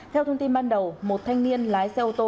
theo thông tin ban đầu một thanh niên lái xe ô tô